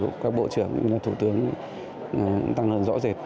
của các bộ trưởng các thủ tướng tăng hơn rõ rệt